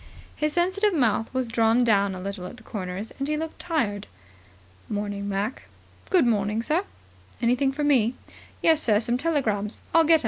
His sensitive mouth was drawn down a little at the corners, and he looked tired. "Morning, Mac." "Good morning, sir." "Anything for me?" "Yes, sir. Some telegrams. I'll get 'em.